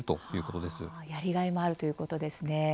やりがいもあるということですね。